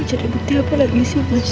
cari bukti apa lagi sih mas